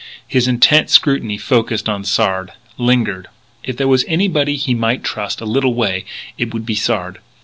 His intent scrutiny focussed on Sard; lingered. If there were anybody he might trust, a little way, it would be Sard.